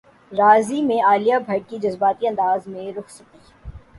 راضی میں عالیہ بھٹ کی جذباتی انداز میں رخصتی